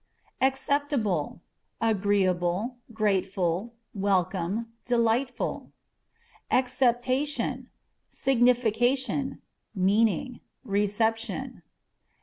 Acceptable â€" agreeable, grateful, welcome, delightful. Acceptation â€" signification, meaning ; reception.